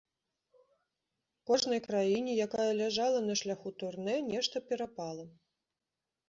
Кожнай краіне, якая ляжала на шляху турне, нешта перапала.